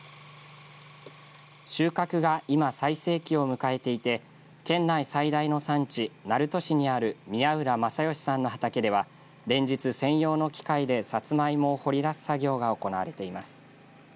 収穫が今、最盛期を迎えていて県内最大の産地鳴門市にある宮浦正義さんの畑では連日、専用の機械でサツマイモを掘り出す作業が行われています。